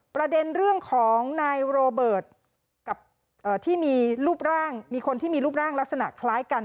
ประเด็นเรื่องของนายโรเบิร์ตกับที่มีรูปร่างมีคนที่มีรูปร่างลักษณะคล้ายกัน